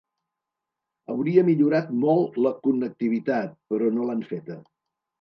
Hauria millorat molt la connectivitat, però no l’han feta.